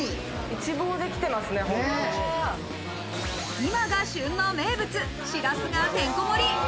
今が旬の名物・しらすがてんこ盛り。